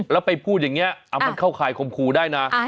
แล้วไปพูดอย่างนี้มันเข้าข่ายคมครูได้นะ